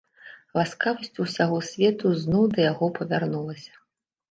Ласкавасць усяго свету зноў да яго павярнулася.